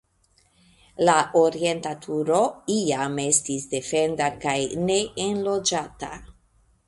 La orienta turo iam estis defenda kaj neenloĝata.